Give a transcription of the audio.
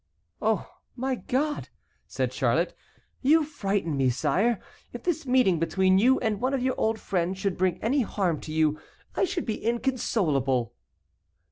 "Oh! my God!" said Charlotte, "you frighten me, sire! If this meeting between you and one of your old friends should bring any harm to you I should be inconsolable."